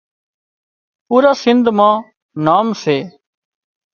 پُورا سنڌ مان نام سي